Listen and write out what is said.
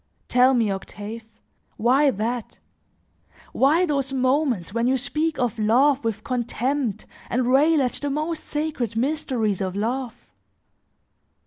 Tell me, Octave, why that? Why those moments when you speak of love with contempt and rail at the most sacred mysteries of love?